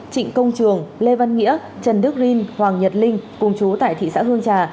trịnh công trường lê văn nghĩa trần đức rin hoàng nhật linh cùng chú tại thị xã hương trà